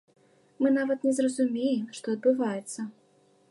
Мы нават не зразумеем, што адбываецца.